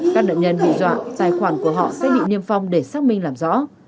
các nạn nhân bị dọa tài khoản của họ sẽ bị niêm phong để xác minh làm rõ